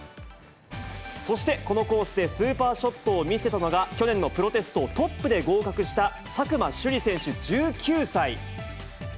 そして、このコースでスーパーショットを見せたのが、去年のプロテストをトップで合格した、佐久間朱莉選手１９歳。